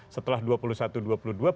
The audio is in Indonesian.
setelah dua puluh satu mei